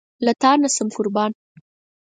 له تانه شم قربان